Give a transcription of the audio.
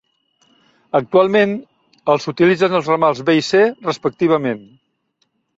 Actualment, els utilitzen els ramals B i C, respectivament.